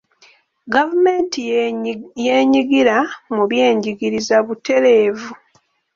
Gavumenti y'enyigira mu by'enjigiriza butereevu.